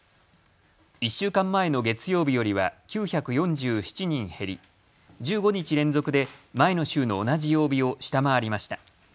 １週間前の月曜日よりは９４７人減り１５日連続で前の週の同じ曜日を下回りました。